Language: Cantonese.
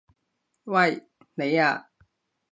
喂！你啊！